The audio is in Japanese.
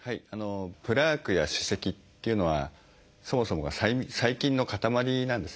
プラークや歯石っていうのはそもそもが細菌の塊なんですね。